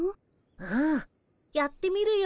うんやってみるよ。